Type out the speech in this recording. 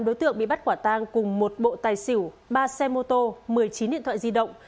đối tượng bị bắt quả tang cùng một bộ tài xỉu ba xe mô tô một mươi chín điện thoại di động